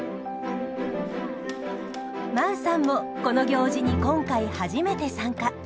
真宇さんもこの行事に今回初めて参加。